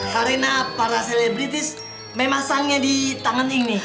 karena para selebritis memang pasangnya di tangan ini